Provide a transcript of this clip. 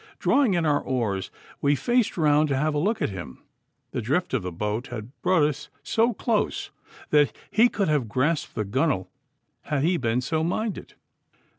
Drawing in our oars we faced round to have a look at him. The drift of the boat had brought us so close that he could have grasped the gunwale had he been so minded.